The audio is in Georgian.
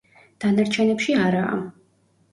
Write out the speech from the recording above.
დანარჩენებში არაა.